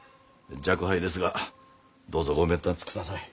若輩ですがどうぞごべんたつください。